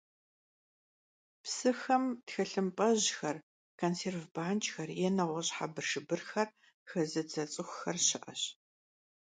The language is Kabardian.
Псыхэм тхылъымпӀэжьхэр, консерв банкӀхэр е нэгъуэщӀ хьэбыршыбырхэр хэзыдзэ цӀыхухэр щыӀэщ.